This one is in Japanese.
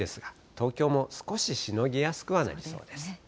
東京も少ししのぎやすくはなりそうです。